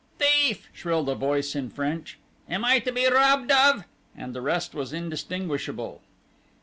"Thief!" shrilled a voice in French, "Am I to be robbed of " and the rest was indistinguishable.